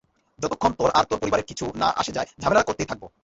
যতক্ষণ তোর আর তোর পরিবারের কিছু না আসে যায়, ঝামেলা করতেই থাকবো।